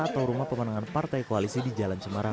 atau rumah pemenangan partai koalisi di jalan cemara